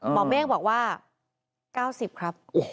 หมอเมฆบอกว่า๙๐ครับ